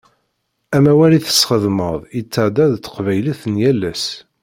Amawal i tesxedmeḍ yetɛedda d taqbaylit n yal ass.